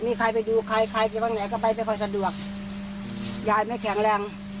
มีใครไปดูใครใครจะไปไหนก็ไปไม่ค่อยสะดวกยายไม่แข็งแรง